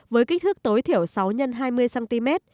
với kích thước tối thiểu sáu x hai mươi cm